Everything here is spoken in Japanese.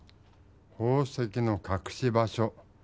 宝石のかくし場所。